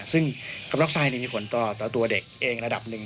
ซึ่งคาร์มอนดอกไซด์มันมีผลต่อตัวตัวเด็กเองระดับหนึ่ง